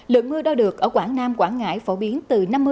lượng mưa đo được ở quảng nam quảng ngãi phổ biến từ năm mươi đến tám mươi ml